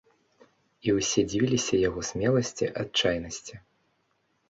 І ўсе дзівіліся яго смеласці, адчайнасці.